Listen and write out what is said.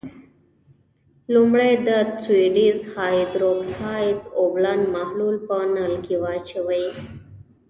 لومړی د سوډیم هایدرو اکسایډ اوبلن محلول په نل کې واچوئ.